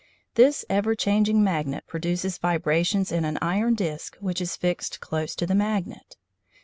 This ever changing magnet produces vibrations in an iron disc which is fixed close to the magnet.